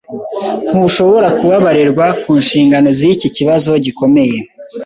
Ntushobora kubabarirwa ku nshingano ziki kibazo gikomeye.